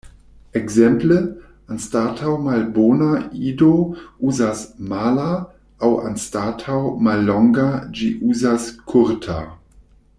Ekzemple, anstataŭ "malbona", Ido uzas "mala", aŭ anstataŭ "mallonga" ĝi uzas "kurta".